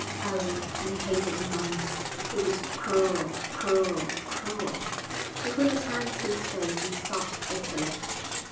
Oh, and he hated the monks! it was cruel, cruel, cruel! He put his hands to his face and sobbed bitterly.